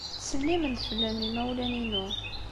Ttselimen-d fell-am yimawlan-inu.